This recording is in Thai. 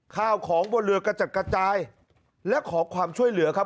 ข้าวของบนเรือกระจัดกระจายและขอความช่วยเหลือครับ